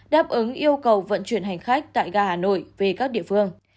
đáp ứng yêu cầu vận chuyển hành khách tại gà hà nội về các địa phương